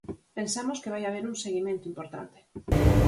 Pensamos que vai haber un seguimento importante.